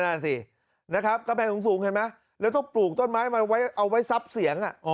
นั่นสินะครับกำแพงสูงเห็นไหมแล้วต้องปลูกต้นไม้มาไว้เอาไว้ซับเสียง